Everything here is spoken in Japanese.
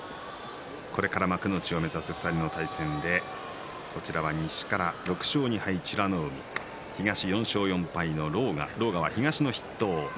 これから幕内をねらう２人の対戦西から６勝２敗、美ノ海東４勝４敗、狼雅東の筆頭です。